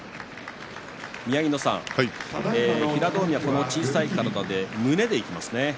宮城野さん、平戸海は小さい体で胸でいきますね。